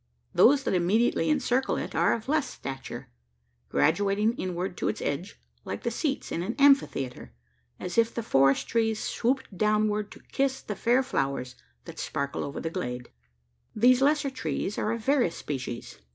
Those that immediately encircle it are of less stature: graduating inward to its edge, like the seats in an amphitheatre as if the forest trees stooped downward to kiss the fair flowers that sparkle over the glade. These lesser trees are of various species.